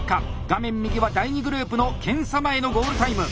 画面右は第２グループの検査前のゴールタイム。